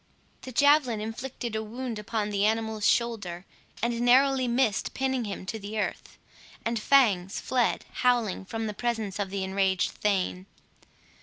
The javelin inflicted a wound upon the animal's shoulder, and narrowly missed pinning him to the earth; and Fangs fled howling from the presence of the enraged thane.